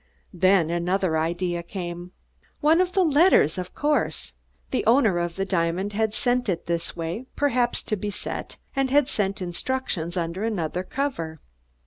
Then another idea came. One of the letters, of course! The owner of the diamond had sent it this way, perhaps to be set, and had sent instructions under another cover.